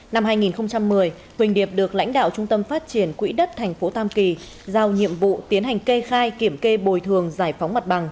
năm hai nghìn một mươi huỳnh điệp được lãnh đạo trung tâm phát triển quỹ đất tp tam kỳ giao nhiệm vụ tiến hành kê khai kiểm kê bồi thường giải phóng mặt bằng